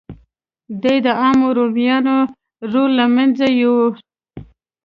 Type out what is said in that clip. دې د عامو رومیانو رول له منځه یووړ